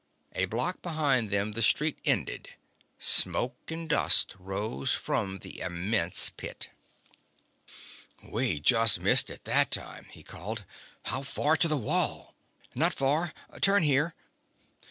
A block behind them the street ended. Smoke and dust rose from the immense pit. "We just missed it that time!" he called. "How far to the wall?" "Not far! Turn here